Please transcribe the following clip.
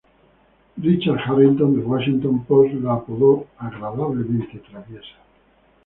Richard Harrington del Washington Post la apodó "agradablemente traviesa.